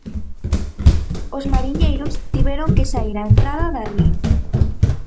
Os mariñeiros tiveron que saír á entrada da Ría.